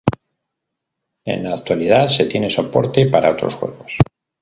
En la actualidad se tiene soporte para otros juegos.